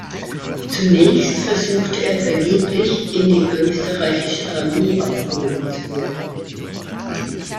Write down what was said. Zunächst versuchte er vergeblich, in die österreichische Armee aufgenommen zu werden.